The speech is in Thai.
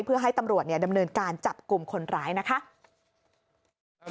เพื่อให้ตำรวจดำเนินการจับกลุ่มคนร้ายนะคะ